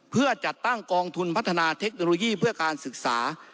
เพื่อจัดตั้งกองทุนพัฒนาเทคโนโลยีเพื่อการศึกษา